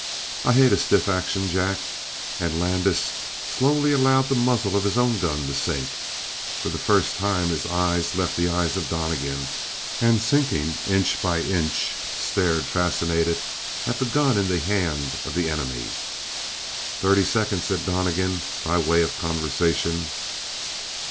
I hate a stiff action, Jack." And Landis slowly allowed the muzzle of his own gun to sink. For the first time his eyes left the eyes of Donnegan, and sinking, inch by inch, stared fascinated at the gun in the hand of the enemy. "Thirty seconds," said Donnegan by way of conversation.